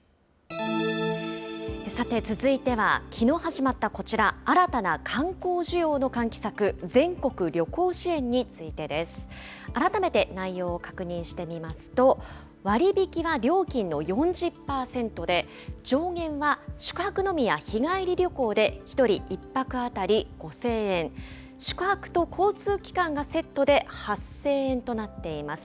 さて続いては、きのう始まったこちら、新たな観光需要の喚起策、全国旅行支援についてです。改めて内容を確認してみますと、割引は料金の４０％で、上限は宿泊のみや日帰り旅行で１人１泊当たり５０００円、宿泊と交通機関がセットで８０００円となっています。